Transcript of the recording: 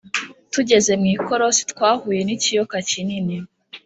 tugeze mwikorosi twahuye nikiyoka kinini!!